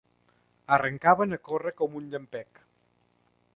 Arrencaven a córrer com un llampec.